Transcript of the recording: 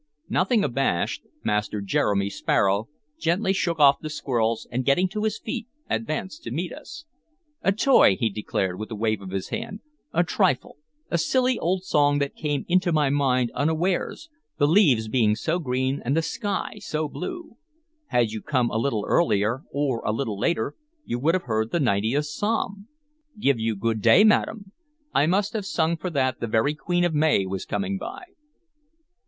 Nothing abashed, Master Jeremy Sparrow gently shook off the squirrels, and getting to his feet advanced to meet us. "A toy," he declared, with a wave of his hand, "a trifle, a silly old song that came into my mind unawares, the leaves being so green and the sky so blue. Had you come a little earlier or a little later, you would have heard the ninetieth psalm. Give you good day madam. I must have sung for that the very queen of May was coming by."